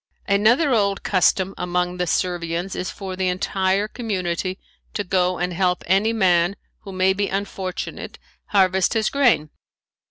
Another old custom among the Servians is for the entire community to go and help any man, who may be unfortunate, harvest his grain.